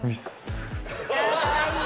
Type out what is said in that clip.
かわいい！